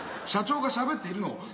社長がしゃべっているのを。